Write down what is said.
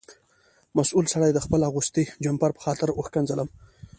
مسؤل سړي د خپل اغوستي جمپر په خاطر وښکنځلم.